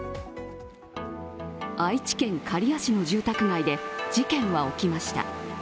愛知県刈谷市の住宅街で事件は起きました。